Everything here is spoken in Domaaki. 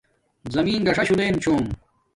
زمین گاݽاشوہ لیم چھوم